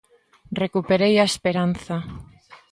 Recuperei a esperanza.